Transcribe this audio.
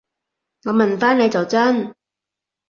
我問返你就真